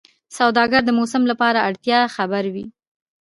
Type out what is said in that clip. سوداګر د موسم له اړتیاوو خبر وي.